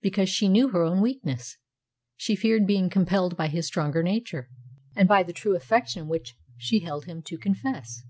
Because she knew her own weakness; she feared being compelled by his stronger nature, and by the true affection in which she held him, to confess.